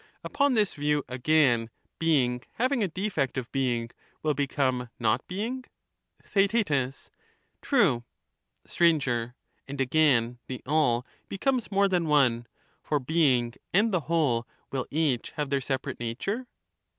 Upon this view, again, being, having a defect of being, will become not being ? Theaet. True. Str. And, again, the all becomes more than one, for being and the whole will each have their separate nature.